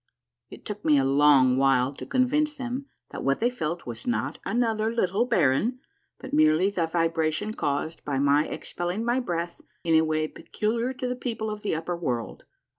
It took me a long while to con vince them that what they felt was not another little baron, but merely the vibration caused by my expelling my breath in a way peculiar to the people of the upper world.